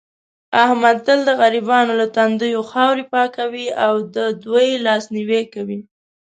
احمد تل د غریبانو له تندیو خاورې پاکوي او دې دوی لاس نیوی کوي.